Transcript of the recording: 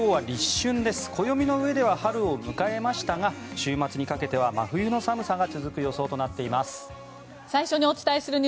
暦のうえでは春を迎えましたが週末にかけては真冬の寒さが続く予想となっています。